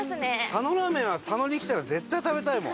佐野ラーメンは佐野に来たら絶対食べたいもん。